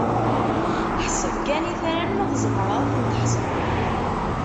Ḥseb kan itran, ma tzemreḍ ad ten-tḥesbeḍ!